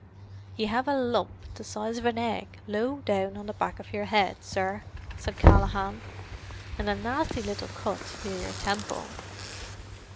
"Ye have a lump the size of an egg low down on the back of your head, sir," said Callaghan. "And a nasty little cut near your temple."